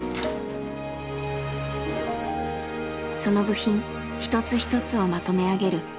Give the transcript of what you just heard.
その部品一つ一つをまとめ上げる重要な役割。